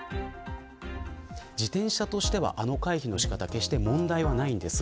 自転車としてはあの回避の仕方は決して問題はありません。